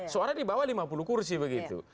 suara di bawah lima puluh kursi begitu